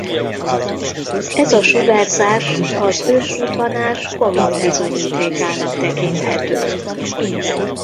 Ez a sugárzás az ősrobbanás komoly bizonyítékának tekinthető.